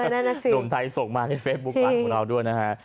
โด่มไทยส่งมาในเฟซบุ๊คลังของเราด้วยนะฮะ